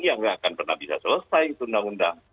ya tidak akan pernah bisa selesai undang undang